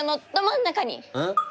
ん？